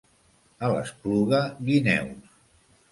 A l'Espluga, guineus.